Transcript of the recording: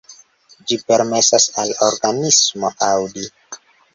Ĝi permesas al organismo aŭdi.